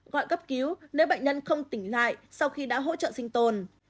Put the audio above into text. gọi cấp cứu nếu bệnh nhân không tỉnh lại sau khi đã hỗ trợ sinh tồn